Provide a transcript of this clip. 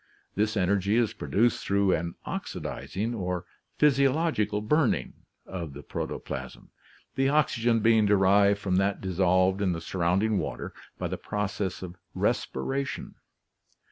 This energy is produced through an oxidizing, or physiological burning, of the protoplasm, the oxygen being derived from that dissolved in the surrounding water by the process of respiration.